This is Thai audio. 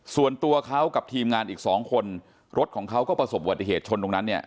ส่วนตัวเขากับทีมงานอีก๒คนรถของเขาก็ประสบวัติเหตุชนตรงนั้นเนี่ย